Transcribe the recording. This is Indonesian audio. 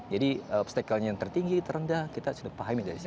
jadi obstaclenya yang tertinggi terendah kita sudah paham ya dari situ